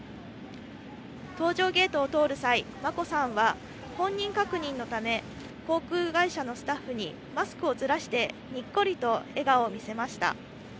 搭乗ゲートを通る際、眞子さんは本人確認のため、航空会社のスタッフにマスクをずらして、にっこりと笑顔を見せました。